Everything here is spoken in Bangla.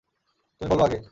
তুমি বলো আগে।